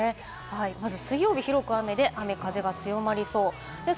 まず水曜日、広く雨で雨風強くなりそう。